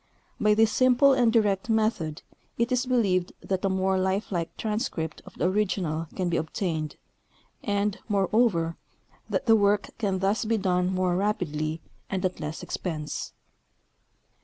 By this simple and direct method it is believed that a iiiore lifelike transcript of the original can be obtained, and, moreover, that the work can thus be done more rapidly and at less expense.